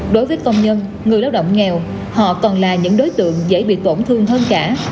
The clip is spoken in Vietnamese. đối với công nhân người lao động nghèo họ còn là những đối tượng dễ bị tổn thương hơn cả